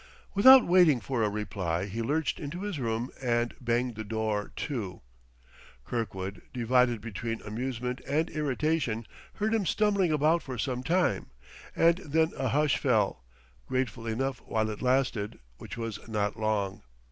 Without waiting for a reply he lurched into his room and banged the door to. Kirkwood, divided between amusement and irritation, heard him stumbling about for some time; and then a hush fell, grateful enough while it lasted; which was not long.